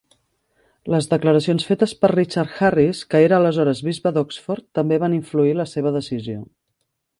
Les declaracions fetes per Richard Harries, que era aleshores Bisbe d'Oxford, també van influir la seva decisió.